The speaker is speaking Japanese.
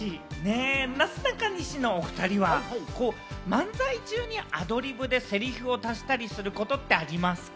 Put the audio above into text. なすなかにしのおふたりは、漫才中にアドリブでせりふを足したりすることってありますか？